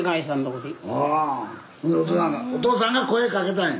おとうさんが声かけたんや。